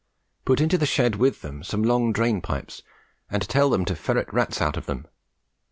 Put into the shed with them some long drain pipes, and tell them to ferret rats out of them.